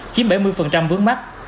chính bảy mươi vướng mắt